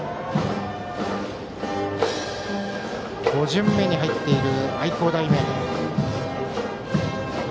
５巡目に入っている愛工大名電。